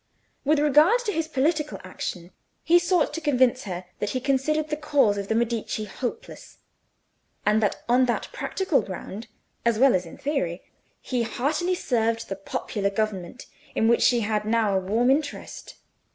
With regard to his political action he sought to convince her that he considered the cause of the Medici hopeless; and that on that practical ground, as well as in theory, he heartily served the popular government, in which she had now a warm interest.